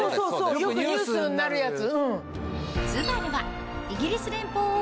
よくニュースになるやつ。